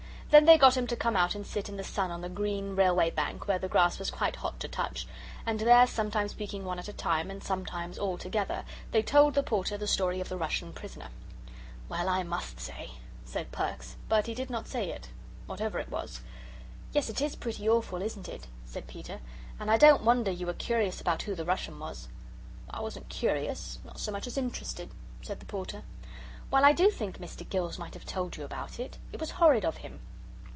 Then they got him to come out and sit in the sun on the green Railway Bank, where the grass was quite hot to touch, and there, sometimes speaking one at a time, and sometimes all together, they told the Porter the story of the Russian Prisoner. "Well, I must say," said Perks; but he did not say it whatever it was. "Yes, it is pretty awful, isn't it?" said Peter, "and I don't wonder you were curious about who the Russian was." "I wasn't curious, not so much as interested," said the Porter. "Well, I do think Mr. Gills might have told you about it. It was horrid of him."